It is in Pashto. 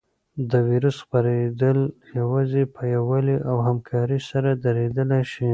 د وېروس خپرېدل یوازې په یووالي او همکارۍ سره درېدلی شي.